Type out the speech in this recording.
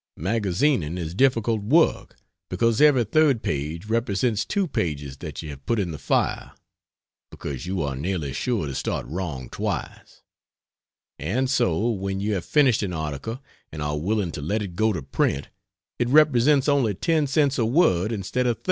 Magazining is difficult work because every third page represents 2 pages that you have put in the fire; (because you are nearly sure to start wrong twice) and so when you have finished an article and are willing to let it go to print it represents only 10 cents a word instead of 30.